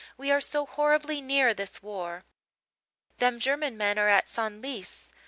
We are so horribly near this war." "Them German men are at Senlis.